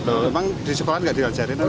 emang disukakan tidak dirajarin